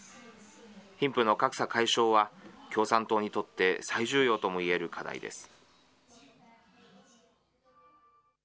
貧富の格差解消は、共産党にとって最重要ともいえる課題です。